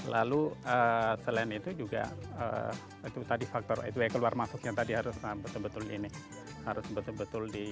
lalu selain itu juga itu tadi faktor atway keluar masuknya tadi harus betul betul ini harus betul betul di